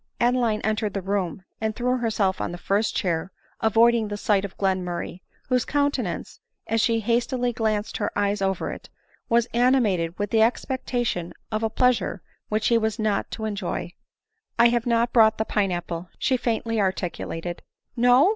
9 Adeline entered the room and threw herself on the first chair, avoiding the sight of Glenmurray, whose countenance, as she hastily glanced her eyes over it, was animated with the expectation of a pleasure which he was not to enjoy. " I have not brought the pine apple," she faintly articulated. "No!"